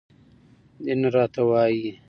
دين راته وايي